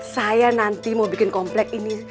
saya nanti mau bikin komplek ini